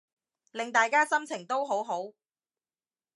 令大家心情都好好